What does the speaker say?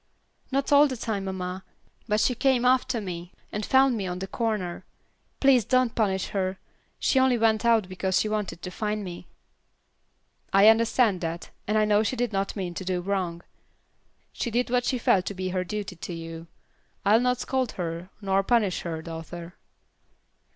"Not all the time, mamma, but she came after me, and found me on the corner. Please don't punish her. She only went out because she wanted to find me." "I understand that, and I know she did not mean to do wrong. She did what she felt to be her duty to you. I'll not scold her, nor punish her, daughter."